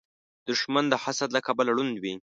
دښمن د حسد له کبله ړوند وي